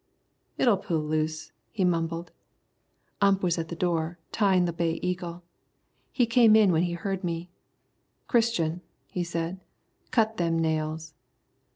"It'll pull loose," he mumbled. Ump was at the door, tying the Bay Eagle. He came in when he heard me. "Christian," he said, "cut them nails."